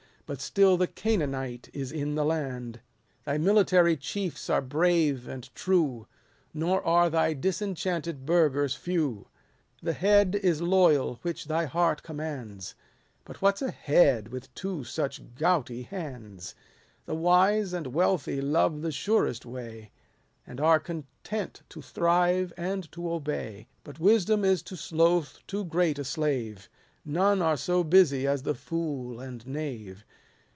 But still the Canaanite is in the land. Thy military chiefs are brave and true ; Xor are thy disenchanted burghers few. iso The head l is loyal which thy heart commands, But what 's a head with two such gouty hands ? The wise and wealthy love the surest way, And are content to thrive and to obey. But wisdom is to sloth too great a slave ; None are so busy as the fool and knave.